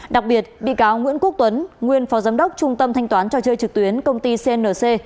đặc biệt bị cáo nguyễn quốc tuấn nguyên phó giám đốc trung tâm thanh toán trò chơi trực tuyến công ty cnc